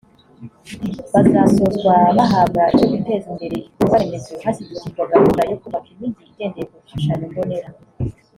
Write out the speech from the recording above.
Bazasozwa bahabwa icyo guteza imbere ibikorwaremezo hashyigikirwa gahunda yo kubaka imijyi igendeye ku bishushanyo-mbonera